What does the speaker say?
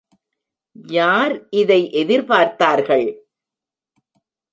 யார் இதை எதிர்பார்த்தார்கள்?